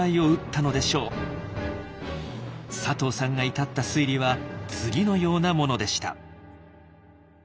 佐藤さんが至った推理は次のようなものでした。